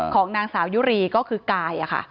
ของนางสาวยุรีก็คือกาย